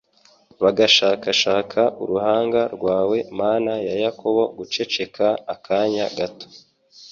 bagashakashaka uruhanga rwawe Mana ya Yakobo guceceka akanya gato